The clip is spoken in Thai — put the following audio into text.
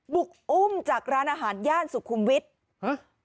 บุกอุ้มจากร้านอาหารย่านสุขุมวิทย์ฮะ